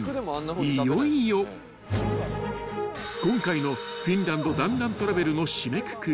［いよいよ今回のフィンランド弾丸トラベルの締めくくり］